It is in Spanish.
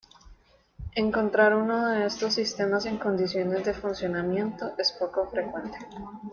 Encontrar uno de estos sistemas en condiciones de funcionamiento es poco frecuente.